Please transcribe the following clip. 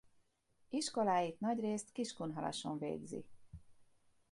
Iskoláit nagyrészt Kiskunhalason végzi.